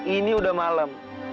ini udah malem